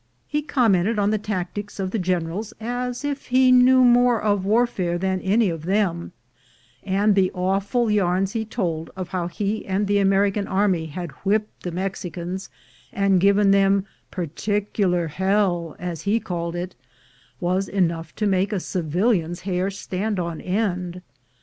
He commented on the tactics of the generals as if he knew more of warfare than any of them; and the awful yarns he told of how he and the American army had whipped the Mexicans, and given them "particular hell," as he called it, was enough to make a civilian's hair stand on end.